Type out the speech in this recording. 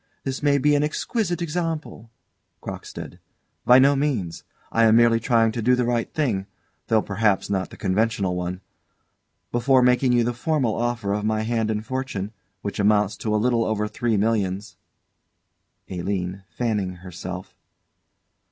This may be an exquisite example CROCKSTEAD. By no means. I am merely trying to do the right thing, though perhaps not the conventional one. Before making you the formal offer of my hand and fortune, which amounts to a little over three millions ALINE. [_Fanning herself.